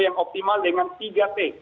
yang optimal dengan tiga t